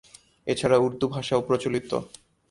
এছাড়া উর্দু ভাষাও প্রচলিত।